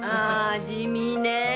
地味ねえ。